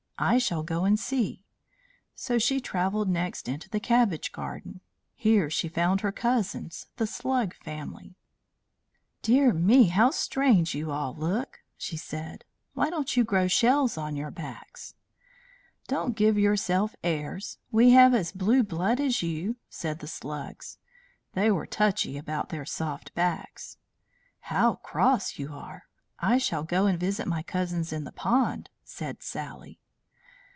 "I shall go and see." So she travelled next into the cabbage garden. Here she found her cousins, the Slug family. "Dear me, how strange you all look!" she said. "Why don't you grow shells on your backs?" "Don't give yourself airs. We have as blue blood as you," said the Slugs. They were touchy about their soft backs. "How cross you are! I shall go and visit my cousins in the pond," said Sally.